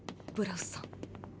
ブラウスさん。